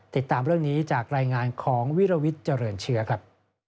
ติดตามเรื่องนี้จากรายงานของวิรวิทย์เจริญเชื้อครับ